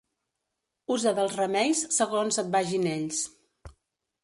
Usa dels remeis segons et vagin ells.